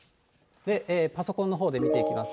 パソコンのほうで見ていきます。